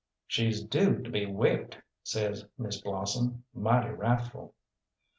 "She's due to be whipped," says Miss Blossom, mighty wrathful.